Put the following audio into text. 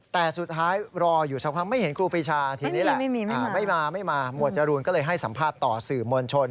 แต่สุดท้ายรออยู่เฉพาะไม่เห็นครูปีชาไม่มาหมวดจรูนก็เลยให้สัมภาษณ์ต่อสื่อมวลชน